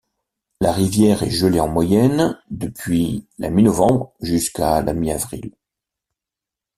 La rivière est gelée en moyenne, depuis la mi-novembre jusqu'à la mi-avril.